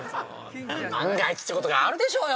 万が一ってことがあるでしょうよ。